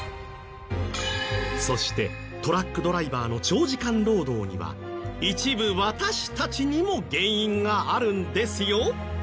そしてトラックドライバーの長時間労働には一部私たちにも原因があるんですよ。